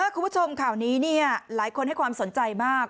คุณผู้ชมข่าวนี้หลายคนให้ความสนใจมาก